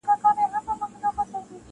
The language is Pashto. • زه تږی د کلونو یم د خُم څنګ ته درځمه -